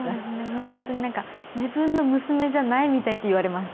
もう本当になんか「自分の娘じゃないみたい」って言われました。